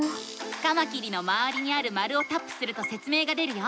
カマキリのまわりにある丸をタップするとせつ明が出るよ。